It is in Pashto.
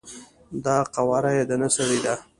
دا قواره یی د نه سړی ده،